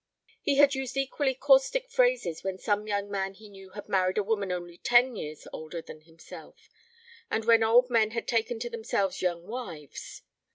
He had used equally caustic phrases when some young man he knew had married a woman only ten years older than himself, and when old men had taken to themselves young wives.